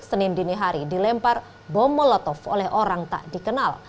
senin dini hari dilempar bom molotov oleh orang tak dikenal